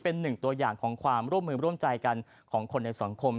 เป็นหนึ่งตัวอย่างของความร่วมมือร่วมใจกันของคนในสังคม